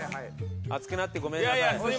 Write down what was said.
熱くなってごめんなさい。